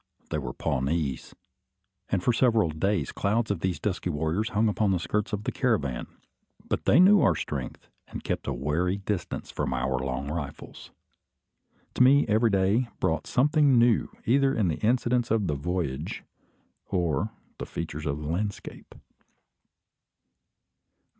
They were Pawnees; and for several days clouds of these dusky warriors hung upon the skirts of the caravan. But they knew our strength, and kept at a wary distance from our long rifles. To me every day brought something new, either in the incidents of the "voyage" or the features of the landscape.